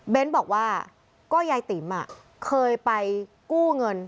บอกว่าก็ยายติ๋มเคยไปกู้เงิน